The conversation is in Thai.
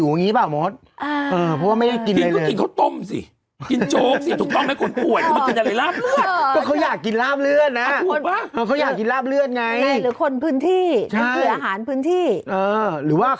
อืมตื่นมาแล้วหิวอย่างนี้หรือเปล่ามธ